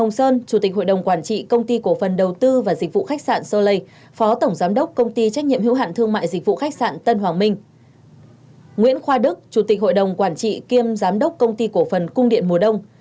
nguyễn khoa đức chủ tịch hội đồng quản trị kiêm giám đốc công ty cổ phần cung điện mùa đông